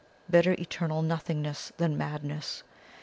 Better eternal nothingness than madness.